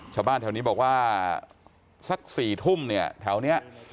ชาวบ้านแถวนี้บอกว่าสัก๔ทุ่มเนี่ยแถวนี้